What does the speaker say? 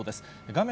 画面